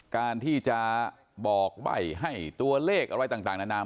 การที่จะบอกใบ้ให้ตัวเลขอะไรต่างนานา